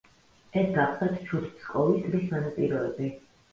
ეს გახლდათ ჩუდ-ფსკოვის ტბის სანაპიროები.